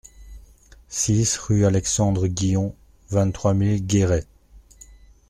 six rue Alexandre Guillon, vingt-trois mille Guéret